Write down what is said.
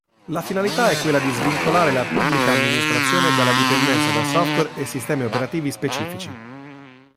La finalità è quella di svincolare la Pubblica Amministrazione dalla dipendenza da software e sistemi operativi specifici.